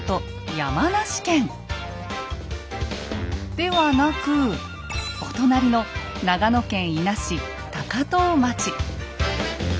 山梨県ではなくお隣の長野県伊那市高遠町。